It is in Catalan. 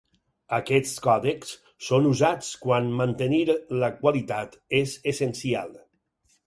Aquests còdecs són usats quan mantenir la qualitat és essencial.